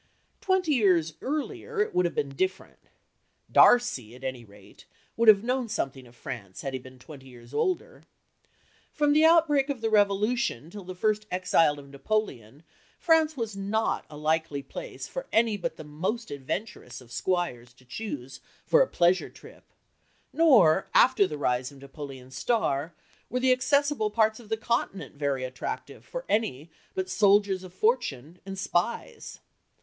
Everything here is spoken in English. Twenty years earlier it would have been different. Darcy at any rate would have known something of France had he been twenty years older. From the outbreak of the Revolution till the first exile of Napoleon, France was not a likely place for any but the most adventurous of squires to choose for a pleasure trip, nor, after the rise of Napoleon's star, were the accessible parts of the Continent very attractive for any but soldiers of fortune and spies.